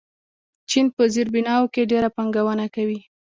چین په زیربناوو کې ډېره پانګونه کوي.